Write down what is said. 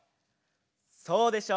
そうでしょ？